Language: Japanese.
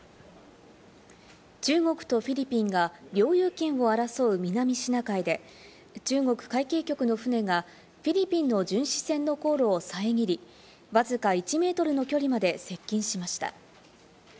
中国とフィリピンが領有権を争う南シナ海で、中国海警局の船がフィリピンの巡視船の航路を遮り、わずか１ｍの距離まで接近しました。